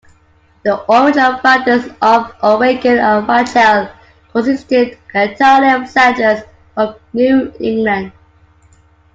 The original founders of Oregon and Rochelle consisted entirely of settlers from New England.